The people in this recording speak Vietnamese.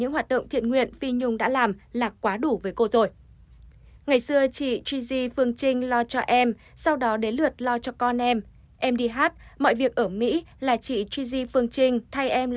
hãy đăng ký kênh để ủng hộ kênh của mình nhé